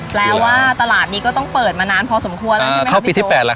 แปลว่าตลาดนี้ก็ต้องเปิดมานานพอสมควรแล้วใช่ไหมคะเข้าปีที่๘แล้ว